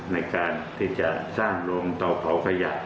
ในการที่จะสร้างโรงเตาเผาขยะ